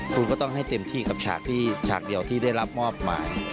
คุณก็ต้องให้เต็มที่กับฉากเดียวที่ได้รับมอบหมาย